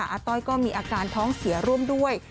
อาต้อยก็มีอาการท้องเสียร่วมด้วย